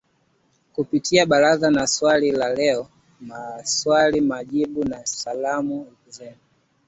Kupitia ‘Barazani’ na ‘Swali la Leo’, 'Maswali na Majibu', na 'Salamu Zenu.'